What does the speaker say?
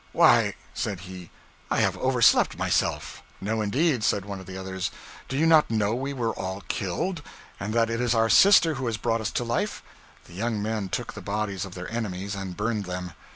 'Why,' said he, 'I have overslept myself.' 'No, indeed,' said one of the others, 'do you not know we were all killed, and that it is our sister who has brought us to life?' The young men took the bodies of their enemies and burned them.